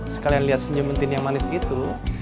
sekalian lihat senyuman tin yang manis itu